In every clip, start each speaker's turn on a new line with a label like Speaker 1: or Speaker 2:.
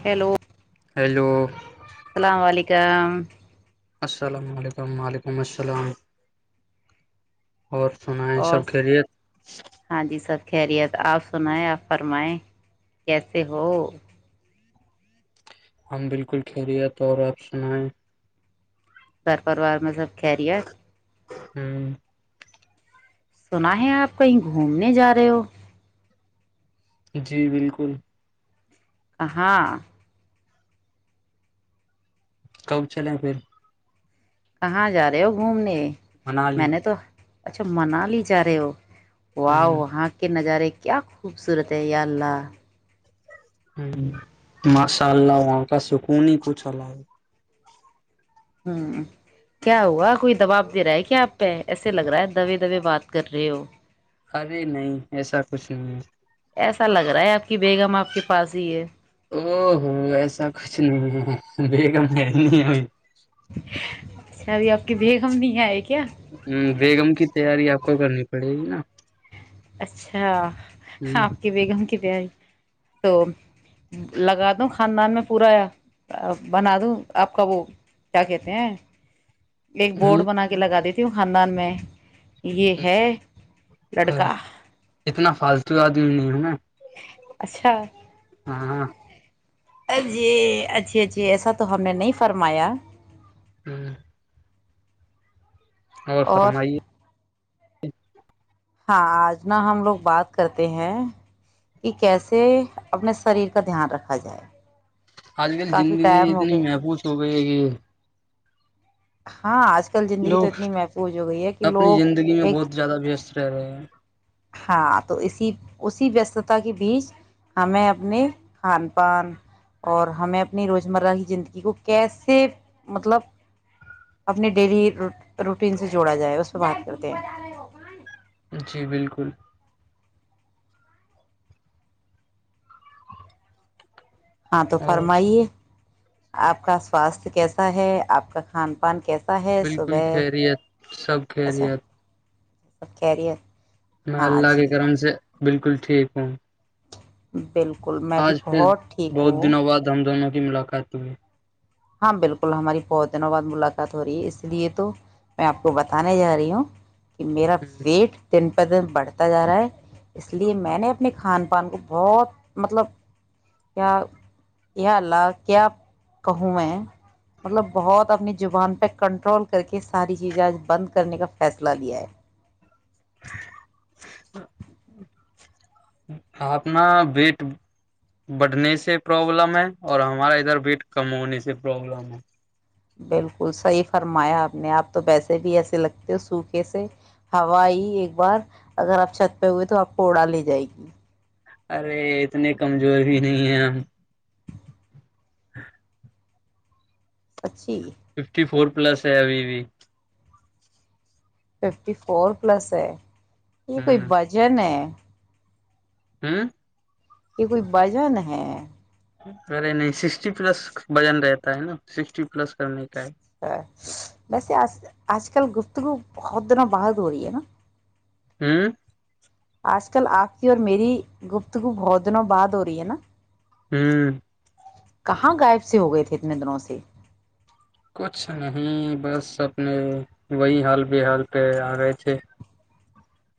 Speaker 1: hello
Speaker 2: hello
Speaker 1: السلام علیکم [inaudible]
Speaker 2: السلام علیکم وعلیکم السلام اور سنا
Speaker 1: اور
Speaker 2: سب کلے
Speaker 1: ہاں جی سب خیریت آپ سنائیں آپ فرمائیں کیسے ہو
Speaker 2: ہم بالکل خیریت اور آپ سنائیں
Speaker 1: گھر پروار میں سب کریے
Speaker 2: [inaudible]
Speaker 1: سنا ہے آپ کہیں گھومنے جا رہے ہو
Speaker 2: جی بالکل
Speaker 1: کہاں
Speaker 2: کب چلے پھر
Speaker 1: کہاں جا رہے ہو گھومنے
Speaker 2: منالی
Speaker 1: میں نے تو اچھا منال جا رہے ہو وا
Speaker 2: ہ
Speaker 1: وہاں کے نظارے کے کیا خوبصورت ہے یہ اللہ
Speaker 2: ہمم ماشاء اللہ وہاں کا سکون ہی کچھ ہوا ہے
Speaker 1: ہوں کیا ہوا کوئی دباب دے رہا ہے کیا آپ پہ ایسے لگ رہا ہے دبے دبے بات کر رہے ہو
Speaker 2: ارے نہیں ایسا کچھ نہیں
Speaker 1: ایسا لگ رہا ہے آپ کی بیگ ہم آپ کے پاس ہی ہے
Speaker 2: او ہو ایسا کچھ نہیں ہے بےگم ہے نہیں ہوئی [inaudible]
Speaker 1: اچھا اب آپ کی بیگم نہیں آئے گی
Speaker 2: ہمم بیگم کی تیاری آپ کو کرنی پڑے گی نا
Speaker 1: اچھا ہاں آپ کی بیگم کی پ آئی تو لگا دوں خاندان میں پورا بنا دوں آپ کا وہ کیا کہتے ہیں ایک
Speaker 2: ہ
Speaker 1: بورڈ بنا کے لگا دیتی تیوں خاندان میں یہ ہے لڑکا
Speaker 2: ہ اتنا فالتو آدمی نہیں ہے نا
Speaker 1: اچھا
Speaker 2: ہاں ہاں
Speaker 1: ا جی اچھا اچھھی ایسا تو ہم نے نہیں فرمایا
Speaker 2: ہمم او
Speaker 1: اور
Speaker 2: فرمائیے جچ [unintelligible]
Speaker 1: ہاں آج ن ہم لوگ بات کرتے ہیں کہ کیسے اپنے شریر کا دھیان رکھا جائے
Speaker 2: آج کل
Speaker 1: کافی
Speaker 2: زندگی
Speaker 1: ٹائم ہو
Speaker 2: اتنی
Speaker 1: گئے
Speaker 2: محفوظ ہو گئی ہے کہ
Speaker 1: ہاں آج کل زندگی تو
Speaker 2: لوگ
Speaker 1: اتنی محفوظ ہو گئی ہے کہ
Speaker 2: اپنی
Speaker 1: لوگ
Speaker 2: زندگی میں
Speaker 1: ایک
Speaker 2: بہت زیادہ وست رہ رہے ہیں
Speaker 1: ہاں تو اسی اسی وستتا کے بیچ ہمیں اپنے کھان پان اور ہمیں اپنی روزمرہ کی زندگی کو کیسے مطلب اپنی ڈیلی روٹین سے جوڑا جائے اس پ بات کرتے ہیں
Speaker 2: جی بالکل
Speaker 1: ہاں تو
Speaker 2: اور
Speaker 1: فرمائیے آپ کا سواستھ کیسا ہے آپ کا کھان پان کیسا ہے
Speaker 2: بالکل
Speaker 1: صبح
Speaker 2: خیریت سب
Speaker 1: اچھا
Speaker 2: خیریت
Speaker 1: سب کہہ د ہے [unintelligible]
Speaker 2: میں اللہ کے کرم سے بالکل ٹھیک ہوں
Speaker 1: بالکل میں بھی
Speaker 2: آج پھر
Speaker 1: بہت ٹھیک
Speaker 2: بہت
Speaker 1: ہوں
Speaker 2: دنوں بعد دم دموں ملاق تمیں
Speaker 1: ہاں بالکل ہماری بہت دنوں بعد ملاقات ہو رہی ہے اس لیے تو میں آپ کو بتانے جا رہی ہوں کہ میرا ویٹ دین پ بڑھتا جا رہا ہے اس لیے میں نے اپنے کھان پان کو بہت مطلب کیا کیا الا کیا کہوں میں مطلب بہت اپنی زبان پہ کنٹرول کر کے ساری چیزیں آج بند کرنے کا فیصلہ لیا ہے
Speaker 2: آنا ویٹ بڑھنے سے پرابلم ہے اور ہمارا ادھر وٹ کم ہونے سے پرابلم ہے
Speaker 1: بالکل صحیح فرمایا آپ نے آپ تو ویسے بھی ایسے لگتے ہو سوکھے سے ہوا ہی ایک بار اگر آپ چھت پہ ہوئے تو آپ کو اوڑا لے جائے گی
Speaker 2: ارے اتنے کمزور بھی نہیں ہیں ہم ہ [inaudible]
Speaker 1: سچی
Speaker 2: ففٹی فور پلس ہے ابھی بھی
Speaker 1: ففٹی فور پلس ہے [unintelligible] یہ کوئی وجن ہے [unintelligible]
Speaker 2: ہوں [unintelligible]
Speaker 1: یہ کوئی بازن ہے
Speaker 2: ارے نہیں سکسٹی پلس وجن رہتا ہے نا سکسٹی پلس کرنے کا ہے
Speaker 1: ویسے آج کل گفتگو بہت دنوں بعرد ہوئی ہے نا
Speaker 2: ہوں [unintelligible]
Speaker 1: آج کل آپ کی اور میری گپتگو بہت دنوں بعد ہو رہی ہے نا
Speaker 2: ہوں [unintelligible]
Speaker 1: کہاں غائب سے ہو گئے تھے اتنے دنوں سے
Speaker 2: کچھ نہیں بس اپنے وہی حال ب حال پہ آ رہے تھے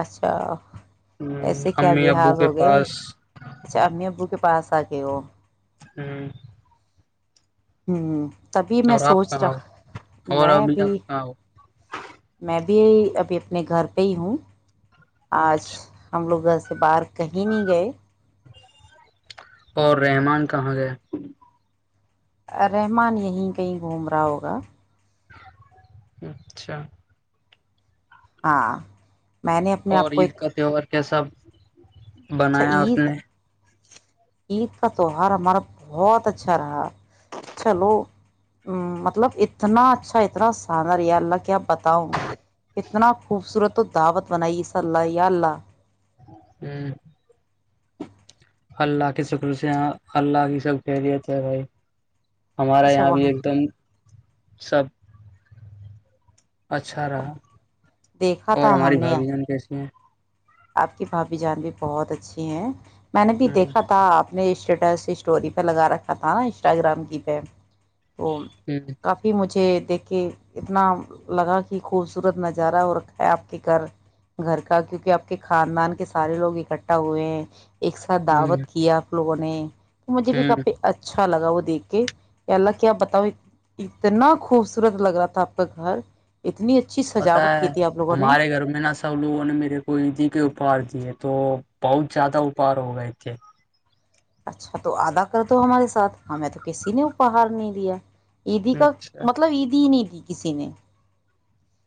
Speaker 1: اچھا [unintelligible] ایسے کیا
Speaker 2: امی ابو
Speaker 1: بحال
Speaker 2: کے
Speaker 1: ہو گئے
Speaker 2: پاس
Speaker 1: اچھا امی ابو کے پاس آ تو [unintelligible]
Speaker 2: ہوں [unintelligible]
Speaker 1: ہوں ہ [unintelligible] [inaudible] تبھی میں
Speaker 2: اور آپ
Speaker 1: سوچ
Speaker 2: کہاں
Speaker 1: رہا
Speaker 2: ہو اور
Speaker 1: میں
Speaker 2: ابھی
Speaker 1: بھی
Speaker 2: آپ کہاں ہو
Speaker 1: میں بھی ابھی ابھی اپنے گھر پہ ہی ہوں آج
Speaker 2: اچھا
Speaker 1: ہم لوگ گس [unintelligible] تو باہر کہیں نہیں گئے
Speaker 2: اور رحمان کہاں گئے
Speaker 1: رحمان یہیں کہیں گھوم رہا ہوگا
Speaker 2: اچھا
Speaker 1: ہاں میں نے اپنے آپ کو ایک
Speaker 2: کے سب
Speaker 1: اچھا
Speaker 2: بنایا اپ
Speaker 1: عید
Speaker 2: نے
Speaker 1: عید کا تہوار ہمارا بہت اچھا رہا چلو ا مطلب اتنا اچھا اتنا ساندر ہے اللہ کے اب بتا ہوں کتنا خوبصورت تو دعوت بنائیے ص اللہ یا اللہ
Speaker 2: ہوں [unintelligible] [inaudible] اللہ کے شکر سے یہ اللہ کی سب خیریت ہے بھائی ہمارا
Speaker 1: اچھا
Speaker 2: یہاں بھی
Speaker 1: وہاں
Speaker 2: ایک دم سب اچھا رہا
Speaker 1: دیکھا
Speaker 2: اور
Speaker 1: تھا
Speaker 2: ہماری
Speaker 1: ہم نے
Speaker 2: بھائی جان کیسے ہیں
Speaker 1: آپ کے بھاابھی جان بھی بہت اچھے ہیں میں نے بھی دیکھا تھاپ اپنے اسٹیٹس اسٹوری پہ لگا رکھا تھا نا انسٹاگرام کی پہ وہ کافی مجھے دیکھ کے اتنا لگا کہ خوبصورت نظارہ ہو رکھا ہے آپ کے گھر گھر کا کیونکہ آپ [unintelligible] [inaudible] کے خاندان کے سارے لوگ اکٹھا ہوئے ہیں ایک ساتھ دعوت کیا لگ نے مجے بھی کپی اچھا اچھا لگا وہ دیکھ کے اللہ کیا آپ بتاؤ اتنا خوبصورت لگ رہا تھا آپ کا گھر اتنی اچا
Speaker 2: پتا ہے ہمارے گھر میں نہا سب لوگوں نے میرے کوئی ج کے اپار دیے تو بہت زیادہ اپار ہو گئے تھے
Speaker 1: اچھا تو ادا کر دو ہمارے ساتھ ہمیں تو کسی نے اپہار نہیں دیا عیدی کا
Speaker 2: اچھا
Speaker 1: مطلب عیدی ہی نہیںید ج کسی نے [unintelligible]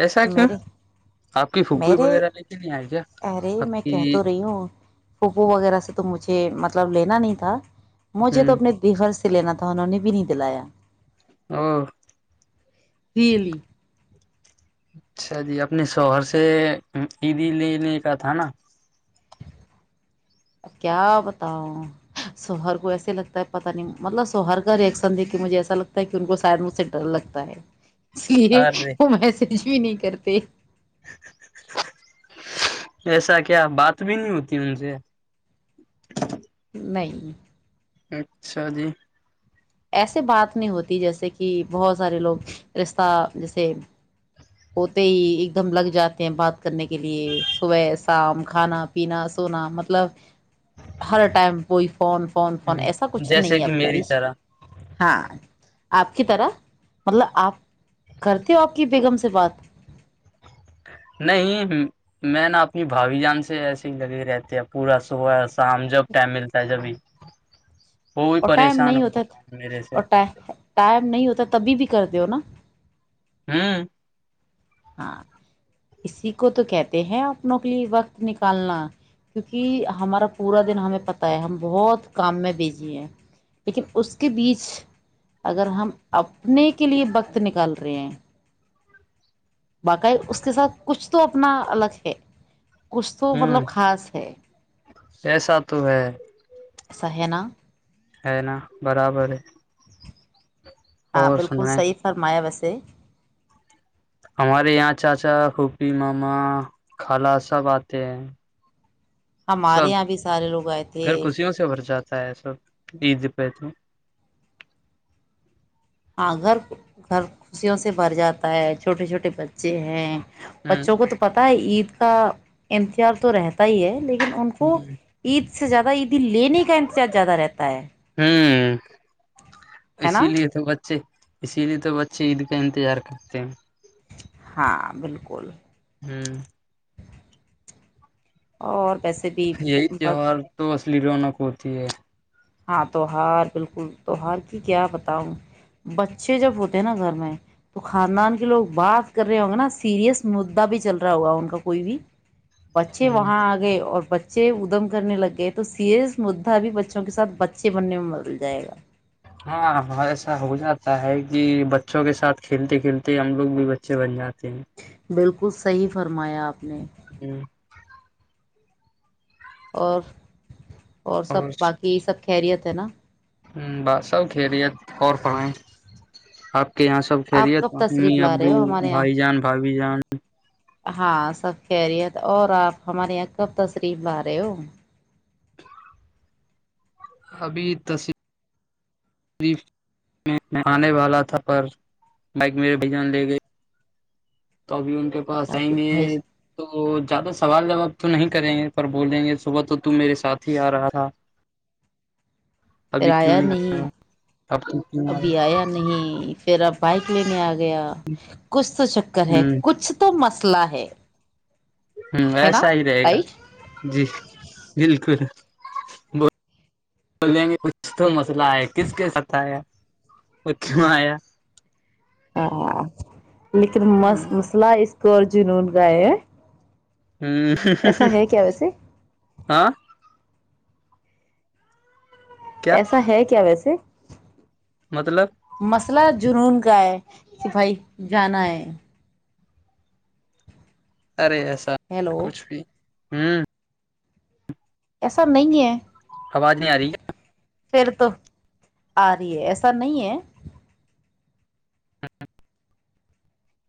Speaker 2: ایسا کیوں
Speaker 1: میرے
Speaker 2: آپ کی پھوپی
Speaker 1: میرے
Speaker 2: وغیرہ لے کے نہیں آئے کیا آپ کی
Speaker 1: پوپو وغیرہ سے تو مجھے مطلب لینا نہیں تھا
Speaker 2: ہ
Speaker 1: مجھے تو اپنے بیگل سے س لا تون انہ نے بھی نہیں دلایا
Speaker 2: ہاں
Speaker 1: بیلی
Speaker 2: اچھا جی اپنے شوہر سے عیدی لینے کا تھا نا
Speaker 1: اب کیا بتاؤ سوہر کو ایسے لگتا ہے پتا نہیں مطلب سوہر کا ریئشن دے کہ مجھے ایسا لگتا ہے کہ ان کو شاید مجھ سے ڈر لگتا ہے اس لیے
Speaker 2: ارے
Speaker 1: وہ میںس کچھ بھی نہیں کرتے
Speaker 2: ایسا کیا بات بھی نہیں ہوتی ان سے
Speaker 1: نہیں
Speaker 2: اچھا جی
Speaker 1: ایسے بات نہیں ہوتی جیسے کہ بہت سارے لوگ رشتہ جیسے ہوتے ہی ایک دم لگ جاتے ہیں بات کرنے کے لیے صبح شام کھانا پینا سونا مطلب ہر ٹائم وہئی فون فون فون ایسا کچھ نہیں
Speaker 2: جیسے
Speaker 1: ہے
Speaker 2: کہ
Speaker 1: اپنے
Speaker 2: میری
Speaker 1: بیچ
Speaker 2: طرح
Speaker 1: ہاں آپ کی طرح مطلب آپ کرتے ہو آپ کی بیگم سے بات
Speaker 2: نہیں میں نا اپنی بھاوی جان سے ایسے ہی لگے رہتے ہیں پورا س شام جب ٹائم ملتا ہے جبھی وہ بھی
Speaker 1: اور ٹائم
Speaker 2: پریشان
Speaker 1: نہیں
Speaker 2: ہو
Speaker 1: ہوتا
Speaker 2: گیا میرے سے
Speaker 1: اور ٹائم نہیں ہوتا تبھی بھی کر د ہو نا
Speaker 2: ہاں
Speaker 1: ہاں اسی کو تو کہتے ہیں اپنوں کے لیے وقت نکالنا کیونکہ ہمارا پورا دن ہمیں پت ہے ہم بہت کام میں بیجی ہیں لیکن اس کے بیچ اگر ہم اپنے کے لیے وقت نکال رہے ہیں باقاع اس کے ساتھ کچھ تو اپنا الگ ہے کچھ تو
Speaker 2: ہمم
Speaker 1: مطلب خاص ہے
Speaker 2: ایسا تو ہے
Speaker 1: سہنا
Speaker 2: ہے ن برابر ہے
Speaker 1: ہاں
Speaker 2: اور
Speaker 1: بالکل
Speaker 2: سنیں
Speaker 1: صحیح فرمایا ویسے سے
Speaker 2: ہمارے یہاں چاچا پھپی ماما خالا سب آتے ہیں
Speaker 1: ہمارے
Speaker 2: سب
Speaker 1: یہاں بھی سارے لوگ آئے تھے
Speaker 2: گھر خوشیوں سے بھر ہے سب عز پہ تو
Speaker 1: ہاں گھر گھر خوشیوں سے بھر جاتا ہے چھوٹے چھوٹے بچے ہیں
Speaker 2: ہوں
Speaker 1: بچوں کو تو پتا ہے عید کا امتظار تو رہتا ہی ہے لیکن ان کو عید سے اس سے زیادہ عیدی لینے کا انتجارج زیادہ رہتا ہے
Speaker 2: ہمم
Speaker 1: ہے
Speaker 2: اسی
Speaker 1: نا
Speaker 2: لیے تو بچے اسی لیے تو بچے عید کا انتظار کرتے ہیں
Speaker 1: ہاں بالکل
Speaker 2: [unintelligible]
Speaker 1: اور ویسے بھی
Speaker 2: یہی
Speaker 1: بت
Speaker 2: تہوہار تو اسلی رونا پور [unintelligible]
Speaker 1: ہاں تہوہار بالکل تہوہار کی کیا بتاؤں بچے جب ہوتے ہیں نا گھر میں تو خاندان کے لوگ بات کر رہے ہوں گے نا سیریئس مدا بھی چل رہا ہوگا ان کا کوئی بھی بچے وہاں آ گئے اور ب چ ادم کرنے لگ گئے تو سی ایس مدعا بھی ب کے ساتھ بچے بننے میں مدل جائے گا
Speaker 2: ہاں ایسا ہو جاتا ہے کہ بچوں کے ساتھ کھیلتے کھیلتے ہم لوگ بھی بچے بن جاتے ج [unintelligible]
Speaker 1: کچھ صحیح فرمایا آپ نے
Speaker 2: ہوں [unintelligible]
Speaker 1: اور اور سب باقی سب خیریت ہے نا
Speaker 2: ہ بس سب خھیریت اور پڑھیں آپ کہ یہاں سب
Speaker 1: آپ
Speaker 2: کھیلے ت
Speaker 1: کب
Speaker 2: ممی
Speaker 1: تشریف لا رہے
Speaker 2: ابو
Speaker 1: ہو ہمارے یہاں
Speaker 2: بھائی جان بھابھی جان
Speaker 1: ہاں سب خیریت اور آپ ہمارے یہاں کب تصریف لا رہے ہو
Speaker 2: [unintelligible] ابھی ت آنے والا تھا پر مائک میرے بجان لے گئے تو ابھی ان مے پاس آئیں
Speaker 1: شاکب
Speaker 2: گے
Speaker 1: بھائی
Speaker 2: تو تو زیادہ سوال جواب تو نہیں کریں گے پر بولیں گے صبح تو ت میرے ساتھ ہی آ رہا تھا
Speaker 1: پھر آیا نہیں
Speaker 2: اب تو کیوں
Speaker 1: ابھی آیا نہیں پھر اب بائک لینے آئے گ گیا کچھ تو چکر ہے
Speaker 2: ہ
Speaker 1: کچھ تو مس اسلا ہے
Speaker 2: ہ
Speaker 1: ہے نا
Speaker 2: ایسا ہی رہے گا
Speaker 1: رائٹ
Speaker 2: جی بالکل بیںے کچھ تو مسئلہ آیا کس کے ساتھ آیا وہ کیوں آیا
Speaker 1: [unintelligible] [unintelligible] لیکن مست مسئلہ اس تو ارجن گائے
Speaker 2: اں کیا
Speaker 1: ایسا ہے کیا ویسا سے
Speaker 2: مطلب
Speaker 1: مسئلہ جنون کا کیا ہے سپائی جانا ہے
Speaker 2: ارے ایسا
Speaker 1: ہیلو
Speaker 2: کچھ بھی ہوں
Speaker 1: ایسا نہیں ہے
Speaker 2: آواز نہیں آ رہی
Speaker 1: پھر تو آ رہی ہے ایسا نہیں ہے
Speaker 2: [unintelligible] [inaudible]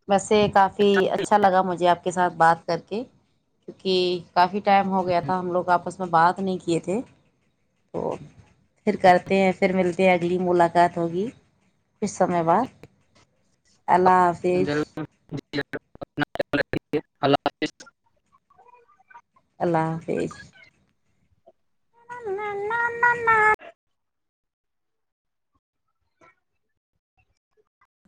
Speaker 1: بسے کافی فی اچھا لا مجھے آپ کے ساتھ بات کر کے کیونکہ کافی ٹائم ہو گیا تھا ہم لوگ آپس میں بات نہیں کیے تھے تو پھر کرتے ہیں پھر ملتے ہیں اگلی ملاقات ہوگی اس میں باد اللہ حافظ
Speaker 2: [unintelligible] [inaudible] اللہ حافظ
Speaker 1: اللہ حافظ [unintelligible]